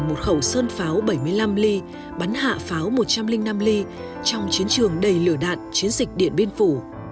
một khẩu sơn pháo bảy mươi năm ly bắn hạ pháo một trăm linh năm ly trong chiến trường đầy lửa đạn chiến dịch điện biên phủ